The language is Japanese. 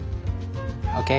ＯＫ。